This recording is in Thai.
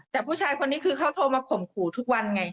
แต่ผู้ชายคนนี้คือเขาโทรมาข่มขู่ทุกวันไง